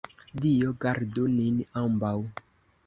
Dio gardu nin ambaŭ!